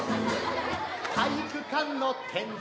「体育館の天井に」